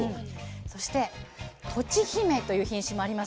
そしてとちひめという品種もあります。